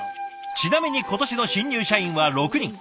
ちなみに今年の新入社員は６人。